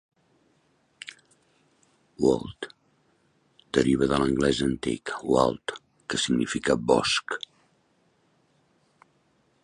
Wold deriva de l'anglès antic "Wald", que significa "bosc".